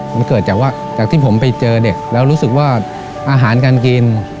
มันเกิดจากว่าจากที่ผมไปเจอเด็กแล้วรู้สึกว่าอาหารการกิน